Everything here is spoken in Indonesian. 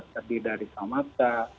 tadi dari samadza